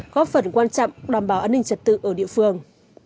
góp phần quan trọng đảm bảo an ninh trật tự ở địa phương